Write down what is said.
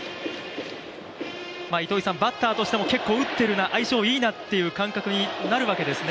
バッターとしても結構打ってるな、相性いいなという感覚になるわけですね。